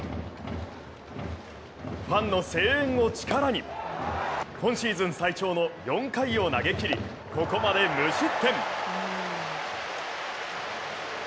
ファンの声援を力に今シーズン最長の４回を投げきり、ここまで無失点。